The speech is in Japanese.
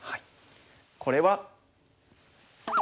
これは。